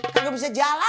kagak bisa jalan